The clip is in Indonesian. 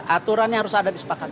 aturannya harus ada disepakati